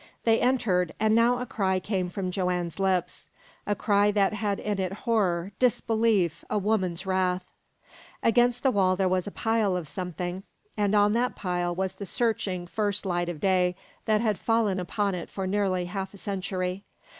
They entered, and now a cry came from Joanne's lips a cry that had in it horror, disbelief, a woman's wrath. Against the wall was a pile of something, and on that pile was the searching first light of day that had fallen upon it for nearly half a century.